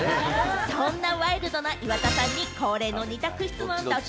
そんなワイルドな岩田さんに恒例の二択質問ドッチ？